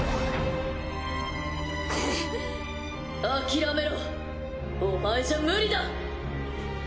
諦めろお前じゃ無理だ。